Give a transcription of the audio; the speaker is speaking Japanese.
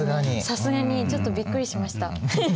さすがにちょっとびっくりしました。